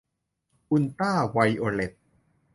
อุลตร้าไวโอเลต